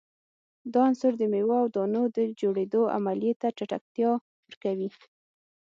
دا عنصر د میو او دانو د جوړیدو عملیې ته چټکتیا ورکوي.